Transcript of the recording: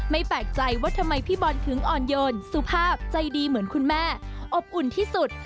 แปลกใจว่าทำไมพี่บอลถึงอ่อนโยนสุภาพใจดีเหมือนคุณแม่อบอุ่นที่สุด